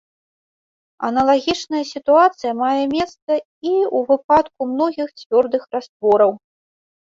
Аналагічная сітуацыя мае месца і ў выпадку многіх цвёрдых раствораў.